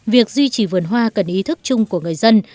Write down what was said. việc duy trì vườn hoa cần ý thức chung của người dân